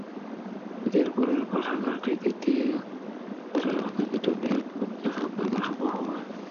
ঈদের পরেই পাঠাগারটি তৃতীয় তলায় অপেক্ষাকৃত বৃহৎ কক্ষে স্থানান্তর করা সম্ভব হবে।